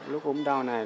lúc ốm đau này